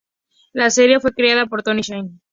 La serie fue creada por Tony Saint.